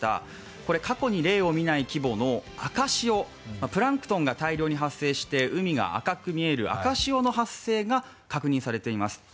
これ、過去に例を見ない規模の赤潮、プランクトンが大量に発生して海が赤く見える赤潮が発生しています。